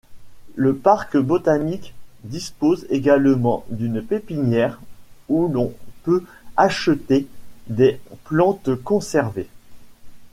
Le parc botanique dispose également d'une pépinière où l'on peut acheter des plantes conservées.